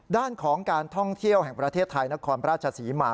ด้านของการท่องเที่ยวแห่งประเทศไทยนครราชศรีมา